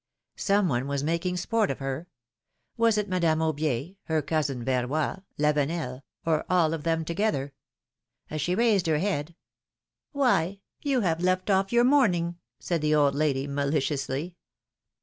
Some one was making sport of her. Was it Madame Aubier, her cousin Verroy, Lavenel, or all of them together ? As she raised her head : Why, you have left off your mourning!'^ said the old lady, maliciously.